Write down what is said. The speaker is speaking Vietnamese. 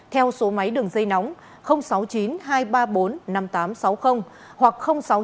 theo số máy đường dây nóng sáu mươi chín hai trăm ba mươi bốn năm nghìn tám trăm sáu mươi hoặc sáu mươi chín hai trăm ba mươi hai một nghìn sáu trăm sáu mươi